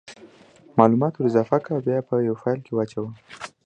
مالومات ور اضافه که او بیا یې په یو فایل کې واچوه